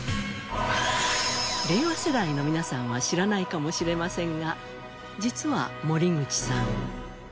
令和世代の皆さんは知らないかもしれませんが実は森口さん。